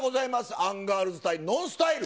アンガールズ対ＮＯＮＳＴＹＬＥ。